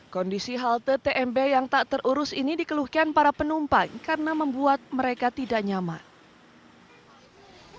kondisi halte tmp yang tak terurus ini dikeluhkan para penumpang karena membuat mereka tidak nyaman